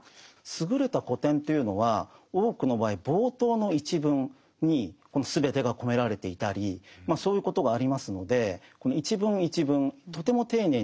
優れた古典というのは多くの場合冒頭の一文に全てが込められていたりそういうことがありますのでこの一文一文とても丁寧に読んでいくことが必要だと思います。